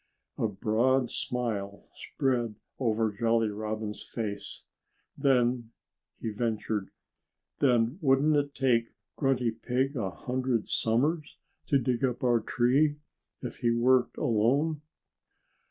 A broad smile spread over Jolly Robin's face. "Then " he ventured "then wouldn't it take Grunty Pig a hundred summers to dig up our tree, if he worked alone?"